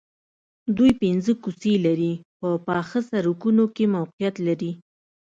دوی پنځه کوڅې لرې په پاخه سړکونو کې موقعیت لري